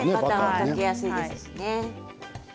溶けやすいですよね。